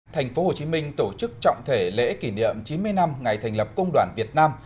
thành phố hồ chí minh tổ chức trọng thể lễ kỷ niệm chín mươi năm ngày thành lập công đoàn việt nam